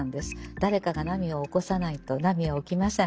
誰かが波を起こさないと波は起きません。